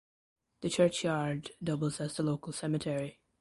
The churchyard doubles as the local cemetery.